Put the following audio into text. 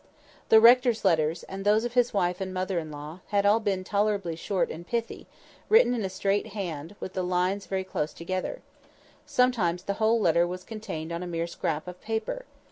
The rector's letters, and those of his wife and mother in law, had all been tolerably short and pithy, written in a straight hand, with the lines very close together. Sometimes the whole letter was contained on a mere scrap of paper.